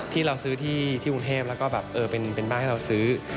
ที่เราซื้อที่กรุงเทพแล้วก็แบบเออเป็นบ้านให้เราซื้อ